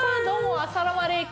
どうも。